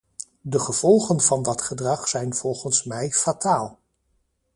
De gevolgen van dat gedrag zijn volgens mij fataal.